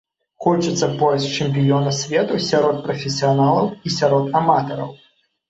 Хочацца пояс чэмпіёна свету сярод прафесіяналаў і сярод аматараў.